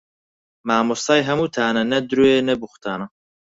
مامۆستای هەمووتانە نە درۆیە نە بووختانە